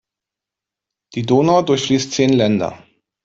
Die Donau durchfließt zehn Länder.